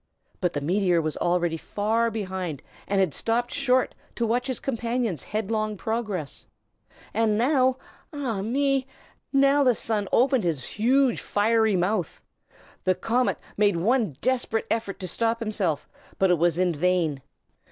But the meteor was already far behind, and had stopped short to watch his companion's headlong progress. And now, ah, me! now the Sun opened his huge fiery mouth. The comet made one desperate effort to stop himself, but it was in vain.